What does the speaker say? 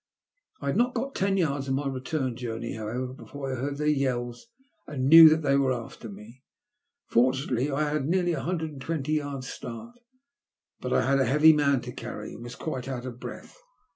I had not gone ten yards on my return journey, however, before I heard their yells, and knew that they were after ma Fortunately, I had nearly a hundred and twenty yards start ; but I had a heavy man to carry, and was quite out of breath.